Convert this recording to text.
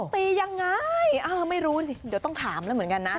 ตียังไงไม่รู้สิเดี๋ยวต้องถามแล้วเหมือนกันนะ